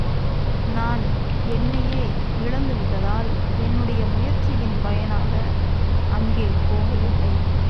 நான் என்னையே இழந்துவிட்டதால் என்னுடைய முயற்சியின் பயனாக அங்கே போகவில்லை.